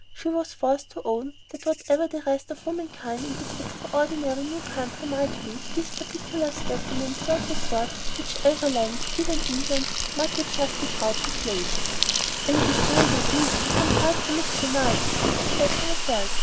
She was forced to own that whatever the rest of womankind in this extraordinary new country might be, these particular specimens were of a sort which any land, even England, might be justly proud to claim. "And with all they do, they contrive to look so nice," she said to herself.